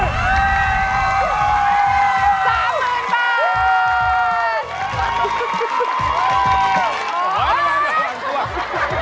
โอ๊ยสามหมื่นปั๊ด